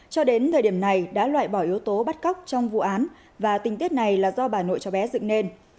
cho đến thời điểm này đã loại bỏ yếu tố bắt cóc trong vụ án và tình tiết này là do bà nội cho bé dựng nên